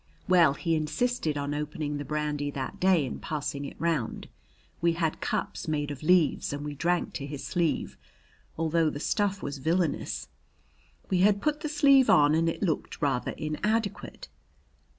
Well, he insisted on opening the brandy that day and passing it round. We had cups made of leaves and we drank to his sleeve, although the stuff was villainous. He had put the sleeve on, and it looked rather inadequate.